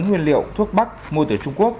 nguyên liệu thuốc bắc mua từ trung quốc